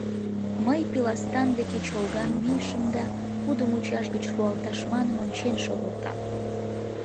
Мый пиластан деке чолган мийышым да, кудо мучаш гыч руалташ манын, ончен шогылтам.